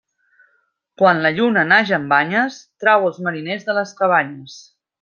Quan la lluna naix amb banyes trau els mariners de les cabanyes.